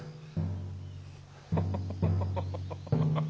ハハハハハハ！